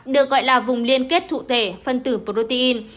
được gọi là vùng liên kết cụ thể phân tử protein